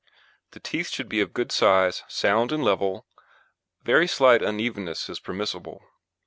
THE TEETH should be of good size, sound and level; very slight unevenness is permissible.